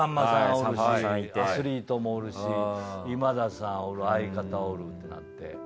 おるしアスリートもおるし今田さんおる相方おるってなって。